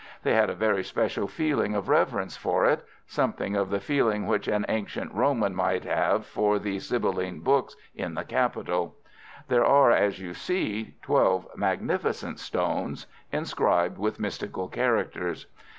They had a very special feeling of reverence for it—something of the feeling which an ancient Roman might have for the Sibylline books in the Capitol. There are, as you see, twelve magnificent stones, inscribed with mystical characters.